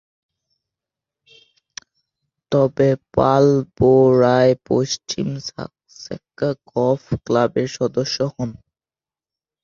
তবে, পালবোরায় পশ্চিম Sussex golf ক্লাবের সদস্য হন।